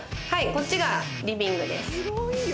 こっちがリビングです。